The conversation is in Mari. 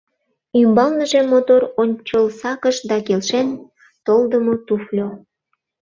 Ӱмбалныже мотор ончылсакыш да келшен толдымо туфльо.